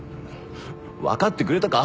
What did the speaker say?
分かってくれたか？